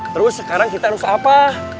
terus sekarang kita harus apa